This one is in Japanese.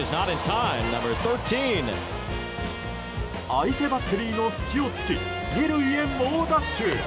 相手バッテリーの隙を突き２塁へ猛ダッシュ！